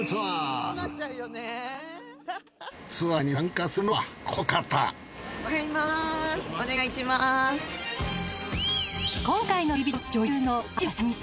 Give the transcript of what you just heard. ツアーに参加するのはこの方。